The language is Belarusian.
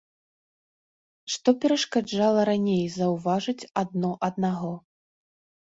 Што перашкаджала раней заўважыць адно аднаго?